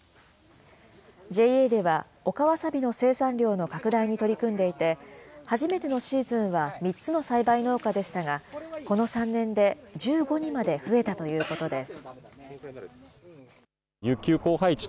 ＪＡでは陸わさびの生産量の拡大に取り組んでいて、初めてのシーズンは３つの栽培農家でしたが、この３年で１５にまで増えたということです。